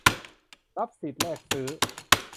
รับสิทธิ์แลกซื้อ